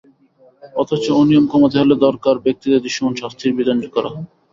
অথচ অনিয়ম কমাতে হলে দরকার জড়িত ব্যক্তিদের দৃশ্যমান শাস্তির বিধান করা।